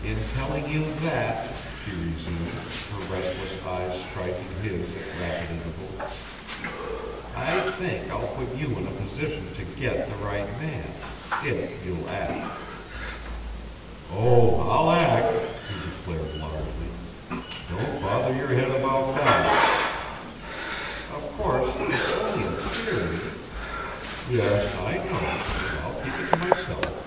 "In telling you that," she resumed, her restless eyes striking his at rapid intervals, "I think I'll put you in a position to get the right man if you'll act." "Oh, I'll act!" he declared, largely. "Don't bother your head about that!" "Of course, it's only a theory " "Yes; I know! And I'll keep it to myself."